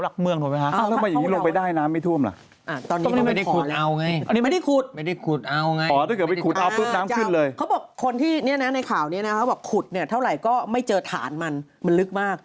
คุดเท่าไหร่ก็ไม่เจอฐานมันมันลึกมาก